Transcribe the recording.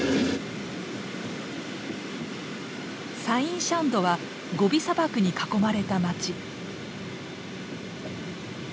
サインシャンドはゴビ砂漠に囲まれた街。